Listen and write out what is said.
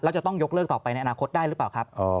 แล้วจะต้องยกเลิกต่อไปในอนาคตได้หรือเปล่าครับ